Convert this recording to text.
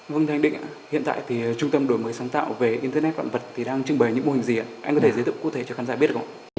vâng anh định hiện tại trung tâm đổi mới sáng tạo về internet vạn vật đang trưng bày những mô hình gì anh có thể giới thiệu cụ thể cho khán giả biết được không